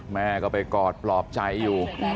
แม่ก็ไปกอดปลอบใจอยู่